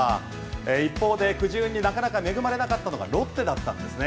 一方でくじ運になかなか恵まれなかったのがロッテだったんですね。